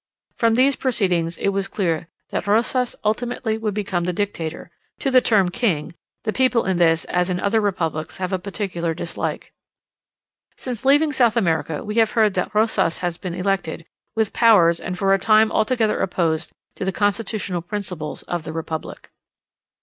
From these proceedings, it was clear that Rosas ultimately would become the dictator: to the term king, the people in this, as in other republics, have a particular dislike. Since leaving South America, we have heard that Rosas has been elected, with powers and for a time altogether opposed to the constitutional principles of the republic.